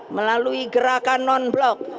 melalui gerakan non blok